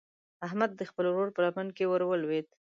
احمد د خپل ورور په لمن کې ور ولوېد.